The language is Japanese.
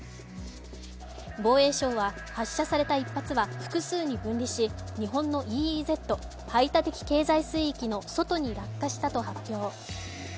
防衛省は、発射された１発は複数に分離し、日本のＥＥＺ＝排他的経済水域の外に落下したと発表。